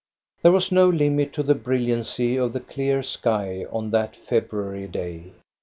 There was no limit to the brilliancy of the clear sky on that February day.